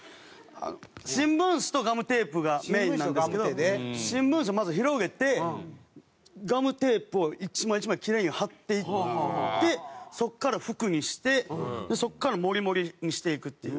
新聞紙とガムテープがメインなんですけど新聞紙をまず広げてガムテープを１枚１枚キレイに貼っていってそこから服にしてそこからモリモリにしていくっていう。